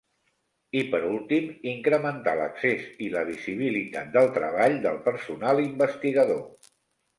I per últim, incrementar l'accés i la visibilitat del treball del personal investigador.